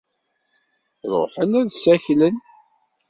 Ruḥen ad ssaklen.